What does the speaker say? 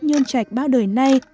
nhơn chạch bao đời nay